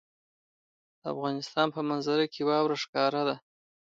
د افغانستان په منظره کې واوره ښکاره ده.